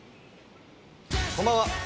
こんばんは。